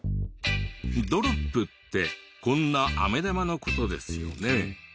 ドロップってこんなあめ玉の事ですよね。